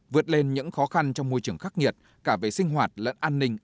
vượt lên những khó khăn trong môi trường khắc nghiệt cả về sinh hoạt lẫn an ninh an toàn